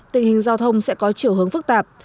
tình hình giao thông sẽ có chiều hướng phức tạp